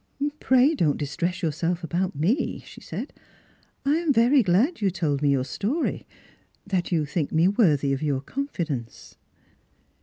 " Pray don't distress yourself about me," she said ;" I am very glad that you told me your story, that you think me worthy of your confidence."